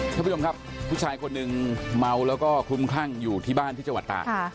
คุณผู้ชายคนหนึ่งเม้าแล้วก็คุ้มคั่งอยู่ที่บ้านที่จังหวัดตะ